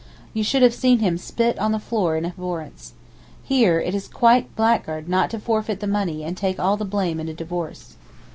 You should have seen him spit on the floor in abhorrence. Here it is quite blackguard not to forfeit the money and take all the blame in a divorce.